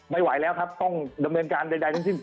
ไม่ไหวแล้วครับต้องดำเนินการใดทั้งสิ้น